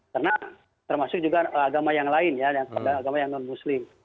karena termasuk juga agama yang lain agama yang non muslim